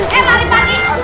kenapa jadi kayak ayam